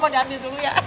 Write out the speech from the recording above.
mau diambil dulu ya